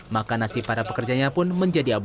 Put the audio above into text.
maka nasib para pekerjanya pun menjadi abu